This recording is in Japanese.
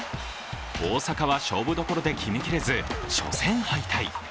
大坂は、勝負どころで決めきれず、初戦敗退。